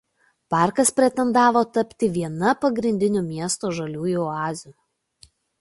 Parkas pretendavo tapti viena pagrindinių miesto žaliųjų oazių.